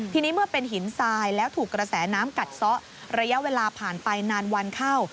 ทีนี้เมื่อเป็นหินทรายแล้วถูกกระแสน้ำกัดซะระยะเวลาผ่านไปนานวันเข้า